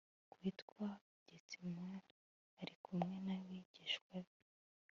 ku hitwa Getsemani ari kumwe n abigishwa be